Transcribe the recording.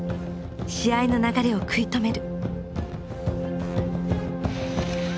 試合の流れを食い止める。